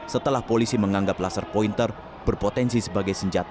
setelah polisi menganggap laser pointer berpotensi sebagai senjata